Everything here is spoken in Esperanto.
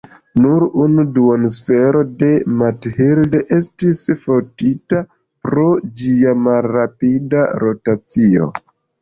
Nur unu duonsfero de "Mathilde" estis fotita pro ĝia malrapida rotacio.